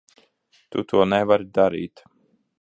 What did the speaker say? Tu to nevari darīt.